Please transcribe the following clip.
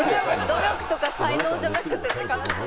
「努力とか才能じゃなくて」って悲しい。